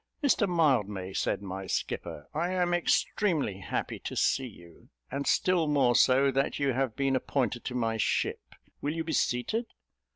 "Mr Mildmay," said my skipper, "I am extremely happy to see you, and still more so that you have been appointed to my ship; will you be seated?"